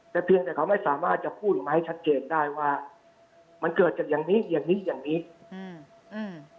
แต่เพียงแต่เขาไม่สามารถจะพูดมาให้ชัดเจนได้ว่ามันเกิดจากอย่างงี้อย่างงี้อย่างงี้อืมอืม